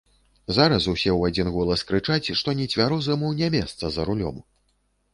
Зараз усе ў адзін голас крычаць, што нецвярозаму не месца за рулём.